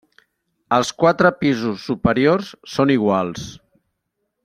Els quatre pisos superiors són iguals.